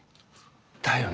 だよね。